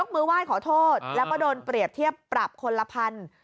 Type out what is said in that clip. มือไหว้ขอโทษแล้วก็โดนเปรียบเทียบปรับคนละพัน